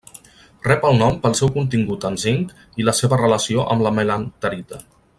Rep el nom pel seu contingut en zinc i la seva relació amb la melanterita.